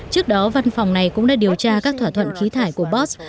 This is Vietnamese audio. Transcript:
trước đó văn phòng này cũng đã điều tra các thỏa thuận khí thải của bot